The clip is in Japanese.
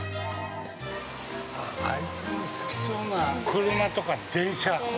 あいつの好きそうな車とか電車。